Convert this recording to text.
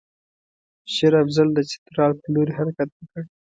شېر افضل د چترال پر لوري حرکت وکړ.